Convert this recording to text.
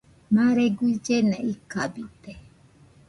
Mare guillena ikabite.